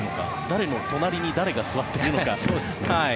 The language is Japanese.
誰の隣に誰が座ってるのか。